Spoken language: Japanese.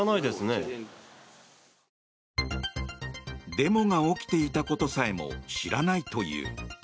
デモが起きていたことさえも知らないという。